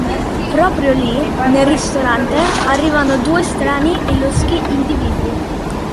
Proprio lì, nel ristorante, arrivano due strani e loschi individui.